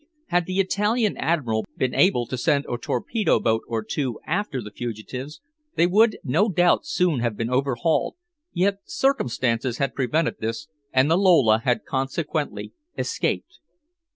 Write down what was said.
Had the Italian Admiral been able to send a torpedo boat or two after the fugitives they would no doubt soon have been overhauled, yet circumstances had prevented this and the Lola had consequently escaped.